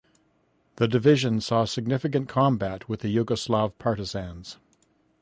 The divisions saw significant combat with the Yugoslav Partisans.